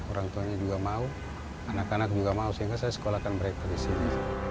orang tuanya juga mau anak anak juga mau sehingga saya sekolahkan mereka di sini